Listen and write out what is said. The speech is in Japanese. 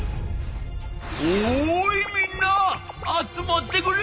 「おいみんな集まってくれ！